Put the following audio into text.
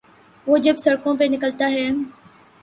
وہ جب سڑکوں پہ نکلتا ہے۔